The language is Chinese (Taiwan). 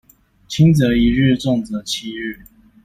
輕則一日重則七日